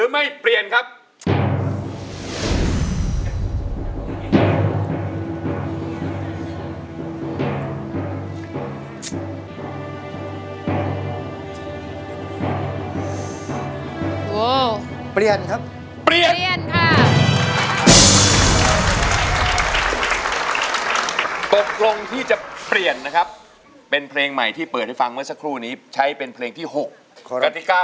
แผ่นที่๓ในเวลาที่๖คุณโจ้ก็คือ